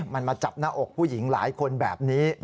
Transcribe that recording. มันมาจับหน้าอกผู้หญิงหลายคนแบบนี้